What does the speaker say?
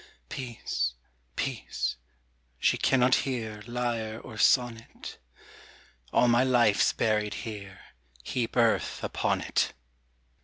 Peace, Peace, she cannot hear Lyre or sonnet, All my life's buried here, Heap earth upon it.